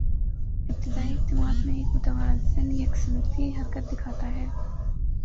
ابتدائی اقدامات میں ایک متوازن یکسمتی حرکت دکھاتا ہے